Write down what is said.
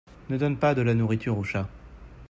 ne donne pas de la nourriture au chat.